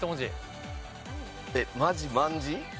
えっマジ卍？